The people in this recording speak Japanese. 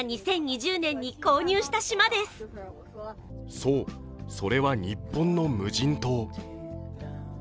そう、それは日本の無人島。